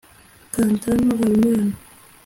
Kantano Habimana